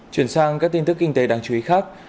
chuyển sang các tin tức kinh tế đáng chú ý khác